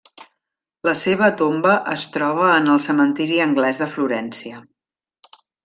La seva tomba es troba en el cementiri anglès de Florència.